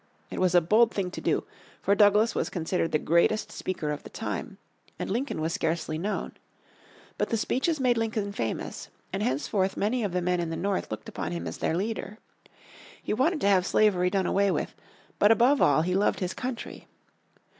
It was a bold thing to do, for Douglas was considered the greatest speaker of the time, and Lincoln was scarcely known. But the speeches made Lincoln famous and henceforth many of the men in the North looked upon him as their leader. He wanted to have slavery done away with, but above all he loved his country.